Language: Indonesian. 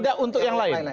tidak untuk yang lain